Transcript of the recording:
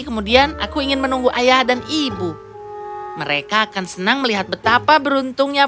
kemudian aku ingin menunggu ayah dan ibu mereka akan senang melihat betapa beruntungnya